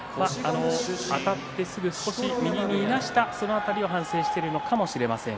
あたって少し右にいなすその辺りを反省しているのかもしれません。